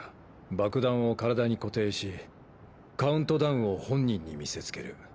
爆弾を体に固定しカウントダウンを本人に見せつける。